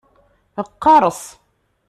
Qqers.